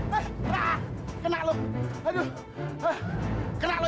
hei jangan lari